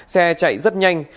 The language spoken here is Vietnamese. xe chạy rất nhanh